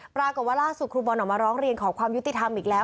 ปรากฏว่าล่าสุดครูบอลออกมาร้องเรียนขอความยุติธรรมอีกแล้ว